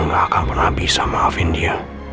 om gak akan pernah bisa maafin dia